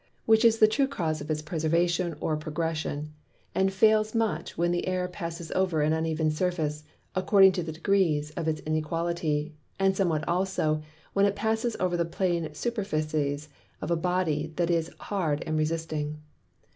Which is the true cause of its Preservation or Progression, and fails much when the Air passes over an uneven Surface, according to the degrees of its inequality, and somewhat also, when it passes over the plain Superficies of a Body that is hard and resisting.